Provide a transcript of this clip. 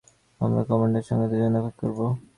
আমরা কমান্ডারের সংকেতের জন্য অপেক্ষা করব।